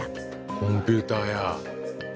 コンピューターや。